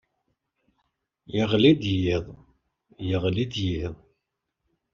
Bɣiɣ ad ɣreɣ tahulandit.